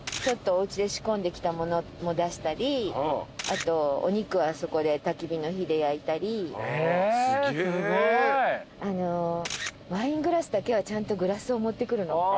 ちょっとおうちで仕込んできたものも出したりあとお肉はそこでたき火の火で焼いたりあのワイングラスだけはちゃんとグラスを持ってくるの。